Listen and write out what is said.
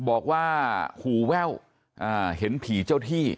บอกว่าหูแว่วเห็นผีเจ้าที่